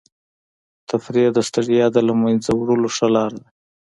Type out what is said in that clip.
تفریح د ستړیا د له منځه وړلو ښه لاره ده.